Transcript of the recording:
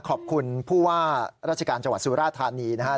ขอบคุณผู้ว่าราชการจังหวัดสุราธานีนะครับ